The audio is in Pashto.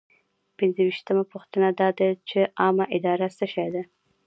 پنځویشتمه پوښتنه دا ده چې عامه اداره څه شی ده.